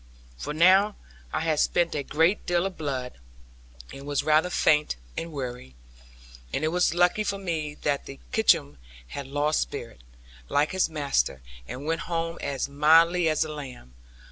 For now I had spent a great deal of blood, and was rather faint and weary. And it was lucky for me that Kickums had lost spirit, like his master, and went home as mildly as a lamb.